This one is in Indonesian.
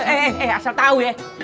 eh eh eh asal tahu ya